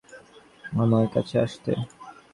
তাকে বললুম আর দিন-দশেক পরে আমার কাছে আসতে।